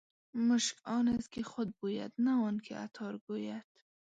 مشک آن است که خود بوید نه آن که عطار ګوید.